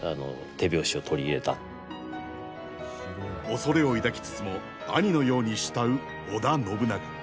恐れを抱きつつも兄のように慕う織田信長。